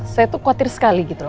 saya tuh khawatir sekali gitu loh